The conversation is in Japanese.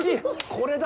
これだ！